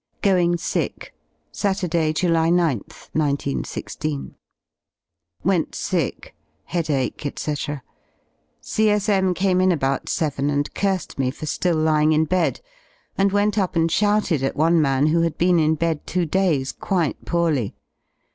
GOING SICK! Saturday, July 9th, 1916. Went sick. Headache, ^c. C.S.Al. came in about seven and cursed me for ^ill lying in bed, and went up and shouted at one man who had been in bed two days quite poorly.